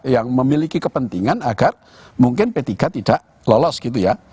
yang memiliki kepentingan agar mungkin p tiga tidak lolos gitu ya